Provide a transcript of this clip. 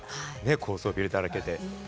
高層ビルだらけで。